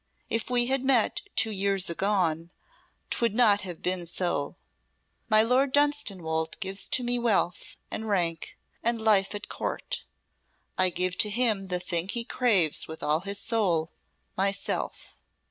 If we had met two years agone 'twould not have been so. My Lord Dunstanwolde gives to me wealth, and rank, and life at Court. I give to him the thing he craves with all his soul myself.